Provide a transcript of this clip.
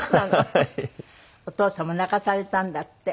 お父様泣かされたんだって。